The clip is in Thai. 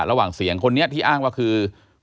ระหว่างเสียงคนนี้ที่อ้างว่าคือ